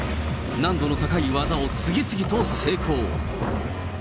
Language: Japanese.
難度の高い技を次々と成功。